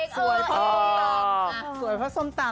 สวยเพราะส้มตำ